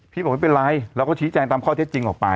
บอกไม่เป็นไรเราก็ชี้แจงตามข้อเท็จจริงออกไป